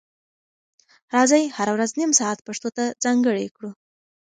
راځئ هره ورځ نیم ساعت پښتو ته ځانګړی کړو.